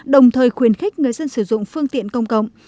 đồng thời khuyến khích người dân sử dụng phương tiện công cộng